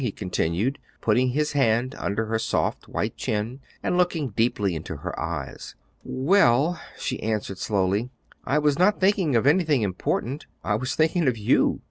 he continued, putting his hand under her soft white chin and looking deeply into her eyes. "Well," she answered slowly, "I was not thinking of anything important; I was thinking of you.